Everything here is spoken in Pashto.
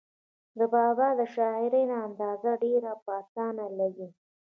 د بابا د شاعرۍ نه دا اندازه ډېره پۀ اسانه لګي